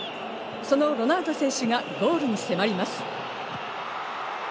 そのロナウド選手がゴールに迫ります。